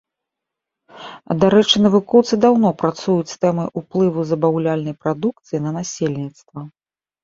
Дарэчы, навукоўцы даўно працуюць з тэмай уплыву забаўляльнай прадукцыі на насельніцтва.